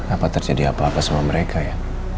apa terjadi apa apa sama mereka ya